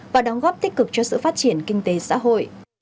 và đóng góp tích cực cho sự phát triển kinh tế xã hội